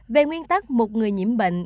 về nguyên tắc một người nhiễm bệnh